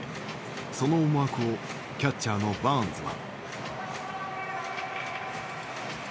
その思惑をキャッチャーのバーンズは。